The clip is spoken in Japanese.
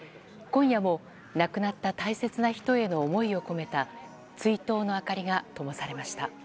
今夜も亡くなった大切な人への思いを込めた追悼の明かりがともされました。